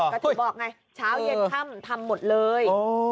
ก็ถึงบอกไงเช้าเย็นค่ำทำหมดเลย